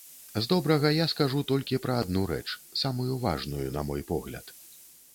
З добрага я скажу толькі пра адну рэч, самую важную, на мой погляд.